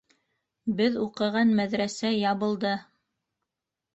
Беҙ уҡыған мәҙрәсә ябылды.